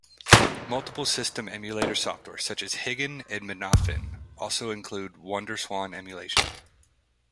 Multiple system emulator software such as Higan and Mednafen also include WonderSwan emulation.